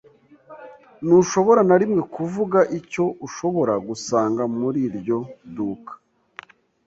Ntushobora na rimwe kuvuga icyo ushobora gusanga muri iryo duka.